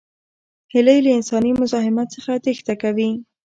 هیلۍ له انساني مزاحمت څخه تېښته کوي